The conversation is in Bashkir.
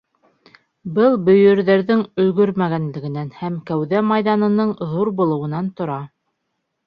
Был бөйөрҙәрҙең өлгөрмәгәнлегенән һәм кәүҙә майҙанының ҙур булыуынан тора.